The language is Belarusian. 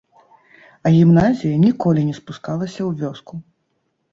А гімназія ніколі не спускалася ў вёску.